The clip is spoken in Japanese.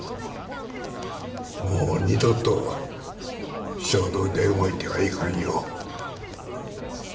もう二度と衝動で動いてはいかんよ。